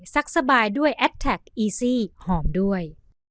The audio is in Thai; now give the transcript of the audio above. ซักสบายด้วยแอดแท็กอีซี่หอมด้วย